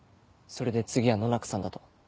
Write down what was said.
それで次は野中さんだと。